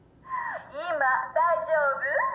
「今大丈夫？」